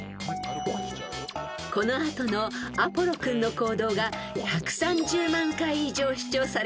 ［この後のアポロ君の行動が１３０万回以上視聴され反響を呼びました］